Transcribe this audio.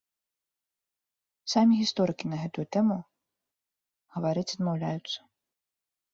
Самі гісторыкі на гэтую тэму гаварыць адмаўляюцца.